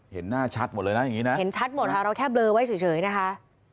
เห็นหน้าชัดหมดเลยนะอย่างนี้นะเห็นชัดหมดค่ะเราแค่เลอไว้เฉยนะคะ